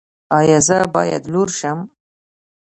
ایا زه باید لور شم؟